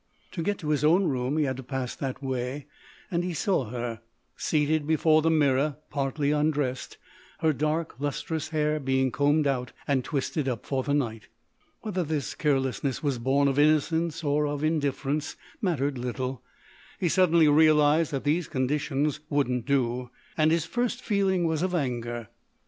To get to his own room he had to pass that way; and he saw her, seated before the mirror, partly undressed, her dark, lustrous hair being combed out and twisted up for the night. Whether this carelessness was born of innocence or of indifference mattered little; he suddenly realised that these conditions wouldn't do. And his first feeling was of anger.